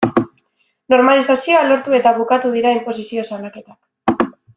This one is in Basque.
Normalizazioa lortu eta bukatu dira inposizio salaketak.